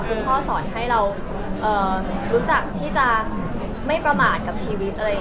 คุณพ่อสอนให้เรารู้จักที่จะไม่ประมาทกับชีวิต